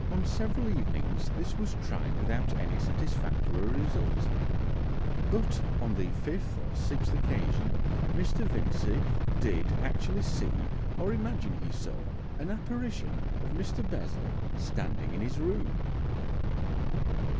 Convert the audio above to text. On several evenings this was tried without any satisfactory result, but on the fifth or sixth occasion Mr. Vincey did actually see or imagine he saw an apparition of Mr. Bessel standing in his room.